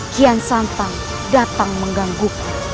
kian santang datang mengganggu